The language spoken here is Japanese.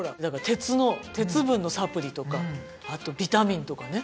鉄の鉄分のサプリとかあとビタミンとかね。